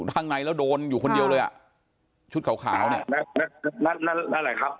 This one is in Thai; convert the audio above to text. ข้างในแล้วโดนอยู่คนเดียวเลยอ่ะชุดขาวขาวเนี่ยนั่นนั่นแหละครับ